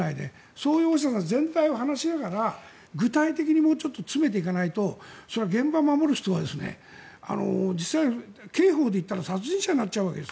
そういう大下さん全体を話しながら具体的にもうちょっと詰めていかないと現場を守る人は実際に刑法でいったら殺人者になっちゃうわけです。